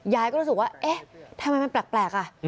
ยายก็รู้สึกว่าเอ๊ะทำไมมันแปลกอ่ะ